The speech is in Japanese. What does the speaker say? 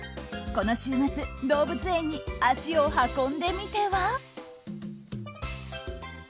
この週末動物園に足を運んでみては？